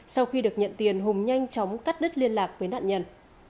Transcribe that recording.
sau khi được nhận tiền hùng nhanh chóng cắt đứt liên lạc với nạn nhân